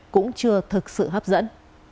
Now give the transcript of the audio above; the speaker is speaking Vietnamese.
cũng chưa thực sự hấp dẫn